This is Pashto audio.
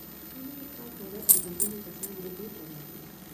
د نوي کال په ورځ په زرګونه کسان لیدو ته راځي.